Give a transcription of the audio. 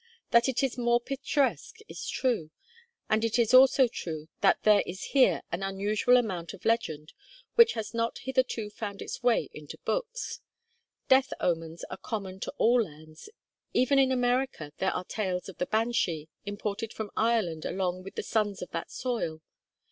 That it is more picturesque is true, and it is also true that there is here an unusual amount of legend which has not hitherto found its way into books. Death omens are common to all lands; even in America, there are tales of the banshee, imported from Ireland along with the sons of that soil.